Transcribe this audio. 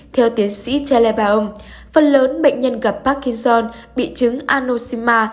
theo tiến sĩ thelebo phần lớn bệnh nhân gặp parkinson bị chứng anosema